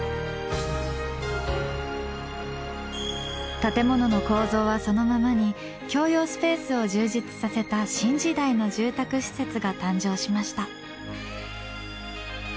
建物の構造はそのままに共用スペースを充実させた新時代の住宅施設が誕生しました。